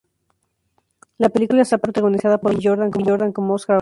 La película está protagonizada por Michael B. Jordan como "Oscar Grant".